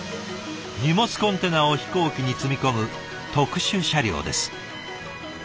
荷物コンテナを飛行機に積み込む特殊車両です。